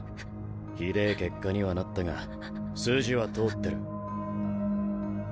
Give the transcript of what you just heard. ひでぇ結果にはなったが筋は通ってる。